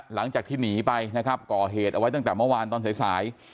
หลังจากที่หนีไปนะครับก่อเหตุเอาไว้ตั้งแต่เมื่อวานตอนสายสาย